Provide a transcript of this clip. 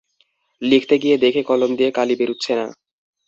লিখতে গিয়ে দেখি কলম দিয়ে কালি বেরুচ্ছে না।